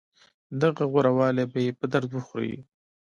دغه غوره والی به يې په درد وخوري.